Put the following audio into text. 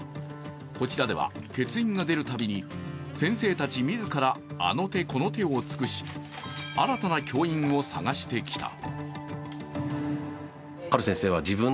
こちらでは、欠員が出るたびに先生たち自らあの手この手を尽くし新たな教員を探してきた。